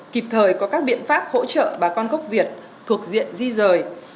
kịp thời có các biện pháp hỗ trợ bà con gốc việt thuộc diện di rời